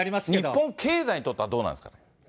日本経済にとってはどうなんですか。